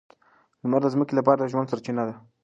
لمر د ځمکې لپاره د ژوند سرچینه ده.